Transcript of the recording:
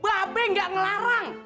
mbak be gak ngelarang